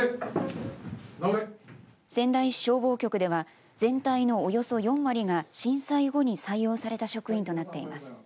仙台市消防局では全体のおよそ４割が震災後に採用された職員となっています。